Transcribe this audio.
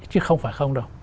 chứ không phải không đâu